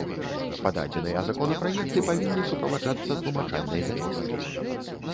Пададзеныя законапраекты павінны суправаджацца тлумачальнай запіскай.